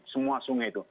semua sungai itu